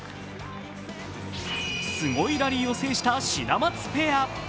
すごいラリーを制したシダマツペア。